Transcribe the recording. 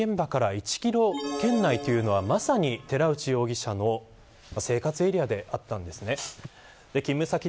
中継でもありましたが事件現場から１キロ圏内というのはまさに寺内容疑者の生活エリアであったんですね。